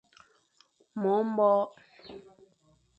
Mo mbore